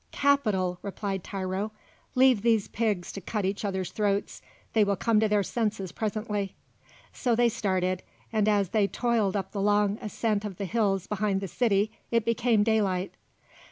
"Capital!" replied Tiro. "Leave these pigs to cut each other's throats; they will come to their senses presently." So they started, and as they toiled up the long ascent of the hills behind the city, it became daylight.